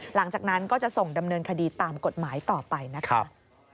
หลังจากนั้นก็จะส่งดำเนินคดีตามกฎหมายต่อไปนะคะ